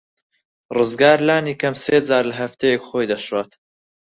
ڕزگار لانی کەم سێ جار لە هەفتەیەک خۆی دەشوات.